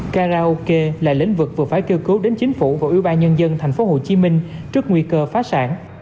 karaoke là lĩnh vực vừa phải kêu cứu đến chính phủ và ủy ban nhân dân tp hcm trước nguy cơ phá sản